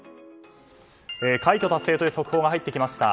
快挙達成という速報が入ってきました。